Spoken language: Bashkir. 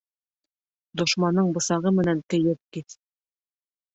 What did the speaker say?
Дошманың бысағы менән кейеҙ киҫ.